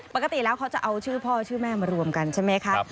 ปกติแล้วเขาจะเอาชื่อพ่อชื่อแม่มารวมกันใช่ไหมคะ